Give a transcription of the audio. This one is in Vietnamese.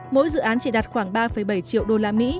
mỗi dự án chỉ đạt khoảng ba bảy triệu usd